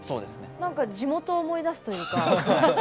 なんか地元思い出すというか。